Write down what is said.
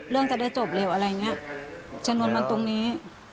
เรื่องจะได้จบเร็วอะไรอย่างเงี้ยจนวนมาตรงนี้